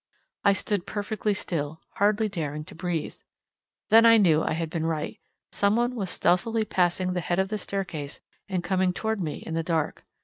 I stood perfectly still, hardly daring to breathe. Then I knew I had been right. Some one was stealthily passing the head of the staircase and coming toward me in the dark.